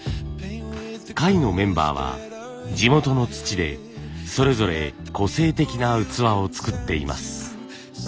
会のメンバーは地元の土でそれぞれ個性的な器を作っています。